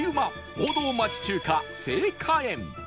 王道町中華盛華園